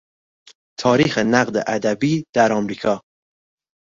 تاریخ نقد ادبی در امریکا